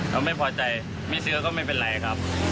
เราไม่พอใจไม่ซื้อก็ไม่เป็นไรครับ